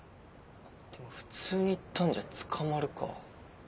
でも普通に行ったんじゃ捕まるか。